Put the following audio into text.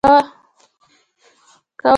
کولای شو بېرته را وګرځو، د دوی په اړه څه وایې؟